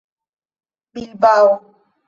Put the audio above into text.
bilbao